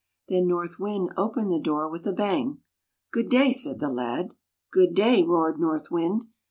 Then North Wind opened the door with a bang! " Good day," said the lad. Good day!' roared North Wind.